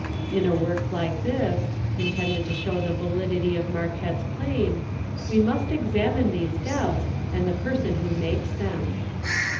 In a work like this, intended to hIiow the validity of Marquette's claim, we must examine these doubts, and the person who makes them.